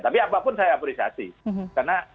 tapi apapun saya apresiasi karena